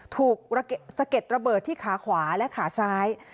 ถูกสะเก็ดระเบิดที่ขาขวาและขาซ้าย